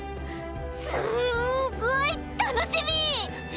すごい楽しみ。